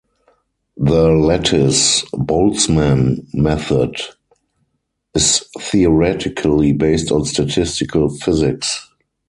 The Lattice-Boltzmann method is theoretically based on statistical physics.